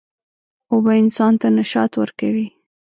اوبه انسان ته نشاط ورکوي.